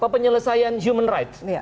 penyelesaian human rights